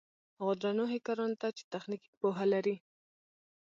هغو درنو هېکرانو ته چې تخنيکي پوهه لري.